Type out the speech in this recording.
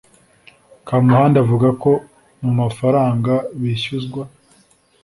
kamuhanda avuga ko mu mafaranga bishyuzwa